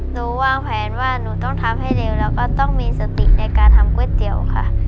วางแผนว่าหนูต้องทำให้เร็วแล้วก็ต้องมีสติในการทำก๋วยเตี๋ยวค่ะ